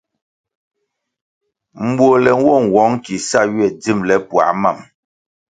Mbuole nwo nwong ki sa ywe dzimbele puah mam.